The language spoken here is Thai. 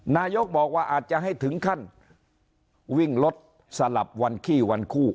นายกบอกว่าอาจจะให้ถึงขั้นวิ่งรถสลับวันขี้วันคู่